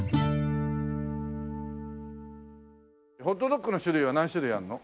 ホットドッグの種類は何種類あるの？